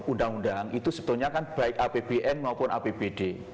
undang undang itu sebetulnya kan baik apbn maupun apbd